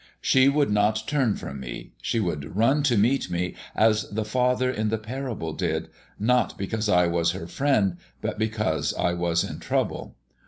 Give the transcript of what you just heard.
She would not turn from me; she would run to meet me as the father in the parable did, not because I was her friend but because I was in trouble.